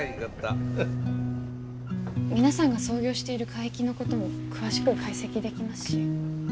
皆さんが操業している海域のことも詳しく解析できますし。